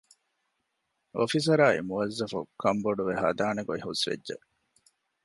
އޮފިސަރާއި މުވައްޒަފު ކަންބޮޑުވެ ހަދާނެގޮތް ހުސްވެއްޖެ